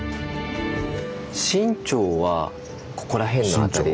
清朝はここら辺のあたり。